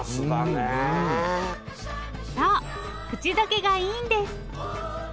そう口どけがいいんです。